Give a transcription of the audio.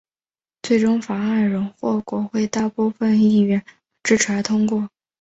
最终法案仍获国会大部份议员支持而通过。